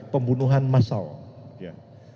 pembunuhan massal ya